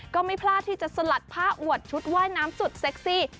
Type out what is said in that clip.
ก็ไม่พลาดที่จะสลัดผ้าอวดชุดว่ายน้ำสุดเซ็กซี่